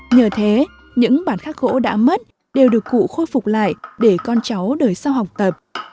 nhờ thế những bản khắc gỗ đã mất đều được cụ khôi phục lại để con cháu đời sau học tập